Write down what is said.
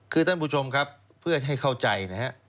คือท่านผู้ชมครับเพื่อให้เข้าใจนะฮะ